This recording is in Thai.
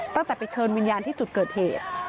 ตั้งแต่ไปเชิญวิญญาณที่จุดเกิดเหตุ